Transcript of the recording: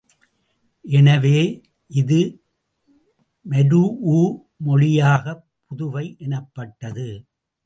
எனவே, இது மரூஉ மொழியாகப் புதுவை எனப்பட்டது.